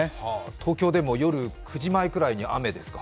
東京でも夜９時前くらいに雨ですか？